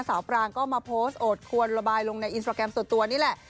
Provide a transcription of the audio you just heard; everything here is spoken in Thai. ปรางก็มาโพสต์โอดควรระบายลงในอินสตราแกรมส่วนตัวนี่แหละ